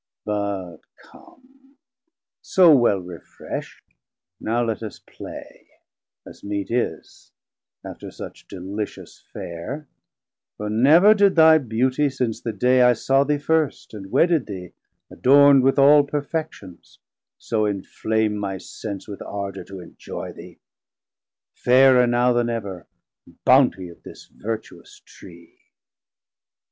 But come, so well refresh't, now let us play, As meet is, after such delicious Fare; For never did thy Beautie since the day I saw thee first and wedded thee, adorn'd 1030 With all perfections, so enflame my sense With ardor to enjoy thee, fairer now Then ever, bountie of this vertuous Tree.